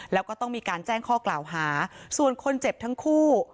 แล้วก็ต้องมีการแจ้งข้อกล่าวหาส่วนคนเจ็บทั้งคู่